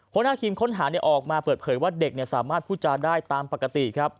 คุณฮาฆิมค้นหาออกมาแปลว่าเด็กเนี่ยสามารถพูดจารย์ได้ตามปกติครับ